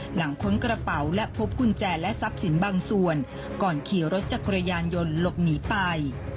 ค้นกระเป๋าและพบกุญแจและทรัพย์สินบางส่วนก่อนขี่รถจักรยานยนต์หลบหนีไป